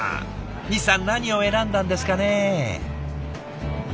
西さん何を選んだんですかね？